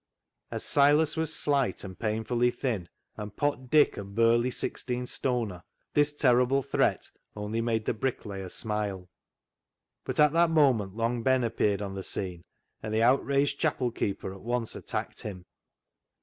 As Silas was slight and painfully thin, and Pot Dick a burly sixteen stoner, this terrible threat only made the bricklayer smile. But at that moment Long Ben appeared on the scene, and the outraged chapel keeper at once attacked him.